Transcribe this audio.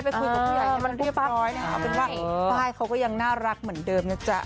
ไปคุยกับผู้ใหญ่ให้มันเรียบร้อยนะคะเอาเป็นว่าป้ายเขาก็ยังน่ารักเหมือนเดิมนะจ๊ะ